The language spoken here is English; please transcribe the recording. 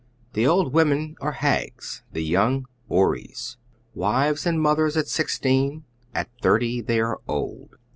The old women are hags; tlie young, houris. Wives and mothers at sixteen, at thirty they are old.